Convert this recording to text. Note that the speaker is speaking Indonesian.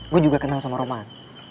gue juga kenal sama roman